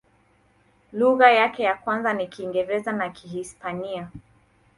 Lugha yake ya kwanza ni Kiingereza na Kihispania.